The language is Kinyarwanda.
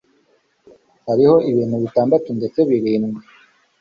Hariho ibintu bitandatu ndetse birindwi